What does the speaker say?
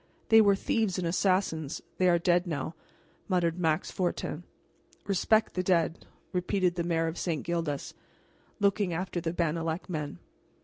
"They were thieves and assassins; they are dead now," muttered Max Fortin. "Respect the dead," repeated the Mayor of St. Gildas, looking after the Bannalec men.